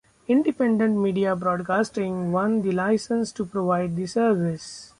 Independent Media Broadcasting won the licence to provide the service.